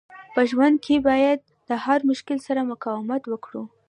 په ژوند کښي باید د هر مشکل سره مقاومت وکو.